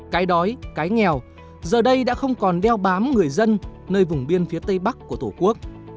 cái đói cái nghèo giờ đây đã không còn đeo bám người dân nơi vùng biên phía tây bắc của tổ quốc